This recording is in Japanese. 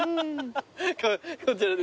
こちらです。